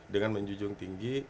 dengan menjunjung tinggi